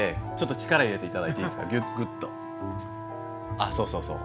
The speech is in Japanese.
あっそうそうそう。